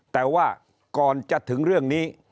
แต่ว่าก่อนจะถึงเรื่องนี้